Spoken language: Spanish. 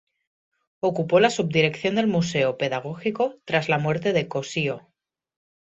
Ocupó la subdirección del Museo Pedagógico tras la muerte de Cossío.